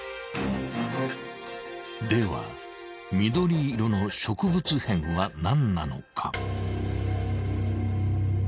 ［では緑色の植物片は何なのか］